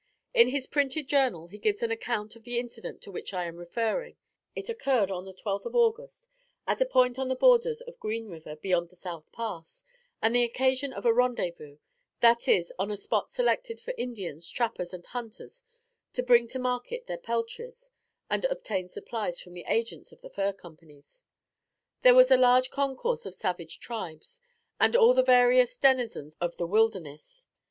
In his printed journal he gives an account of the incident to which I am referring; it occurred on the 12th of August, at a point on the borders of Green River, beyond the South Pass, on the occasion of a 'rendezvous,' that is, on a spot selected for Indians, trappers, and hunters to bring to market their peltries, and obtain supplies from the agents of the Fur Companies. There was a large concourse of savage tribes, and all the various denizens of the wilderness.